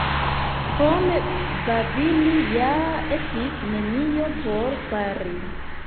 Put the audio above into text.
Krom babili ja estis nenio por fari.